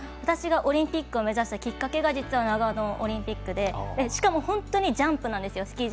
私がオリンピックを目指したきっかけが実は長野オリンピックで、本当にスキー・ジャンプなんです。